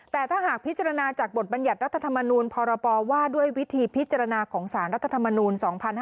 แต่ถ้าหากพิจารณาจากบทบรรยัติรัฐธรรมนูลพรปว่าด้วยวิธีพิจารณาของสารรัฐธรรมนูล๒๕๕๙